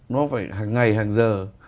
nó phải hàng ngày hàng giờ